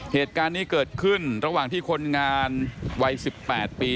เหตุการณ์นี้เกิดขึ้นระหว่างที่คนงานวัย๑๘ปี